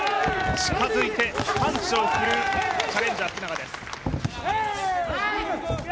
近づいてパンチを振るうチャレンジャー、福永です。